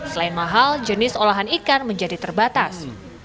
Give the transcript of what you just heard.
selain mahal jenis olahan ikan menjadi terbatas